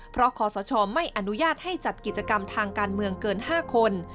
เพราะขอสชไม่อนุญาตให้จัดกิจกรรมทางการเมืองเกิน๕คน